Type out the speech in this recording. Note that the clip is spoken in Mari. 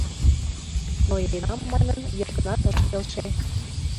Ноенам манын, Йыгнат ыш келше.